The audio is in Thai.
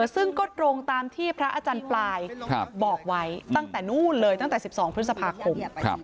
ซึ่งก็ตรงตามที่พระอาจารย์ปลายบอกไว้ตั้งแต่นู่นเลยตั้งแต่๑๒พฤษภาคม